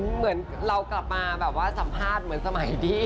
เหมือนเรากลับมาแบบว่าสัมภาษณ์เหมือนสมัยที่